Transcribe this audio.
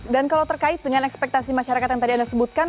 dan kalau terkait dengan ekspektasi masyarakat yang tadi anda sebutkan